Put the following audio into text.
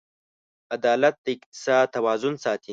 عدالت د اقتصاد توازن ساتي.